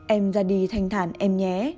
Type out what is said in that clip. em ra đi thanh thản em nhé